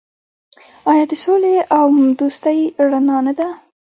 آیا د سولې او دوستۍ رڼا نه ده؟